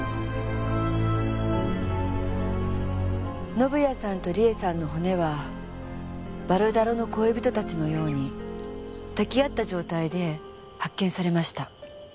宣也さんと理恵さんの骨は「ヴァルダロの恋人たち」のように抱き合った状態で発見されました。